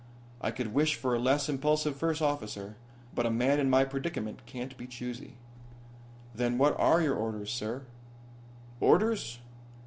I could wish for a less impulsive first officer, but a man in my predicament can't be choosy." "Then what are your orders, sir?" "Orders?